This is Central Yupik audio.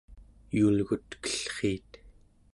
yuulgutkellriit